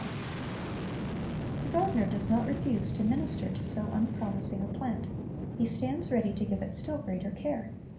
2 1 6 Christ's Object Lessons The gardener does not refuse to minister to so unprom ising a plant. He stands ready to give it still greater care.